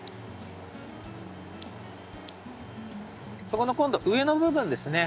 そこの今度上の部分ですね。